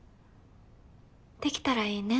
できたらいいね